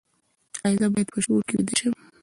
ایا زه باید په شور کې ویده شم؟